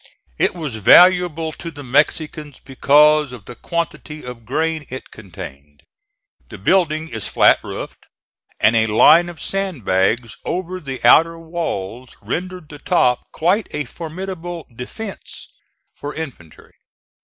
It was valuable to the Mexicans because of the quantity of grain it contained. The building is flat roofed, and a line of sand bags over the outer walls rendered the top quite a formidable defence for infantry.